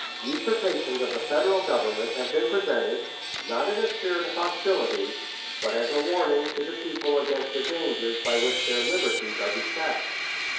Usurpations of the Federal Government have been presented, not in a spirit of hostility, but as a warning to the people against the dangers by which their liberties are beset.